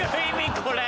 これ。